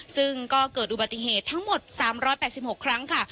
ซึ่งก็เกิดอุบัติเหตุทั้งหมด๓๘๖ครั้งค่ะ